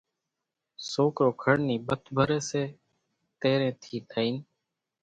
سوڪرو کڙ نِي ٻٿ ڀري سي تيرين ٿي لئين،